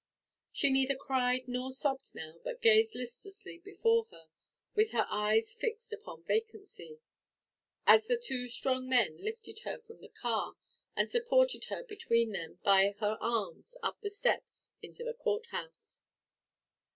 She neither cried nor sobbed now; but gazed listlessly before her, with her eyes fixed upon vacancy, as the two strong men lifted her from the car, and supported her between them by her arms up the steps into the court house.